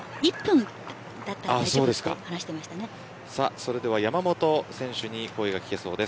それでは山本選手に声が聞けそうです。